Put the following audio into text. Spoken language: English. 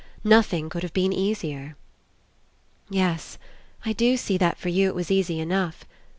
Nothing could have been easier." *'Yes, I do see that for you It was easy enough.